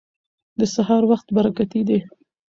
د سهار وخت برکتي دی.